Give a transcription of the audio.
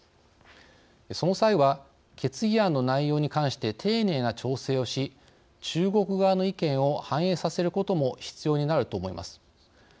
その際は決議案の内容に関して丁寧な調整をし中国側の意見を反映させることも必要になると思います。